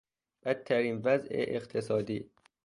بدترین وضع اقتصادی